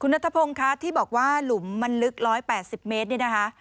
นัทพงศ์คะที่บอกว่าหลุมมันลึก๑๘๐เมตรเนี่ยนะคะ